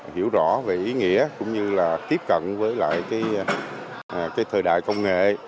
hiểu rõ về ý nghĩa cũng như tiếp cận với thời đại công nghệ